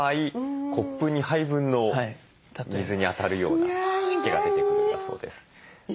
コップ２杯分の水にあたるような湿気が出てくるんだそうです。